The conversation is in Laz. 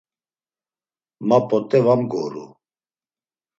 Ma p̆ot̆e va mgoru.